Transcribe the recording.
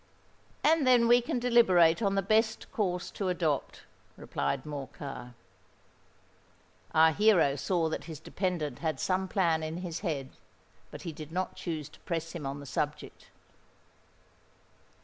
"And then we can deliberate on the best course to adopt," replied Morcar. Our hero saw that his dependant had some plan in his head; but he did not choose to press him on the subject.